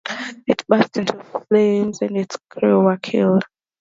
It burst into flames and its crew were killed.